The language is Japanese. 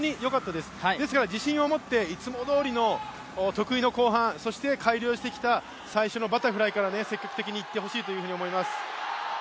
ですから自信を持って自信を持っていつもどおりの得意の後半、改良してきた最初のバタフライから積極的にいってほしいと思います。